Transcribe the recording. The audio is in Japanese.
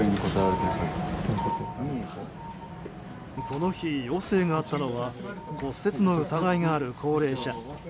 この日、要請があったのは骨折の疑いがある高齢者。